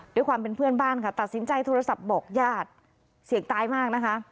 ด้วยความเป็นเพื่อนบ้านค่ะตัดสินใจโทรศัพท์บอกญาติเสียงตายมากนะคะ